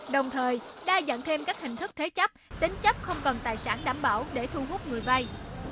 đồng thời đa dạng thêm các hình thức thế chấp tính chấp không cần tài sản đảm bảo để thu hút người vay